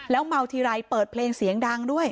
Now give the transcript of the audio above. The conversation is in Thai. แล้วเมาที้ไล็เปิดเพลงเสียงดังด้วย